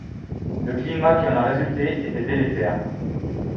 Le climat qui en a résulté était délétère.